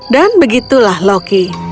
dan begitulah loki